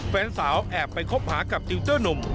แฟนสาวแอบไปคบหากับติวเจอร์หนุ่ม